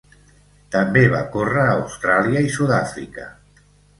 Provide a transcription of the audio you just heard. També va córrer a Austràlia i Sud-àfrica.